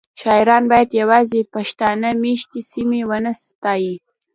شاعران باید یوازې پښتانه میشتې سیمې ونه ستایي